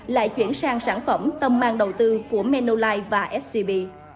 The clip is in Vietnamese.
lại chuyển sang sản phẩm tầm an đầu tư của menolite và scb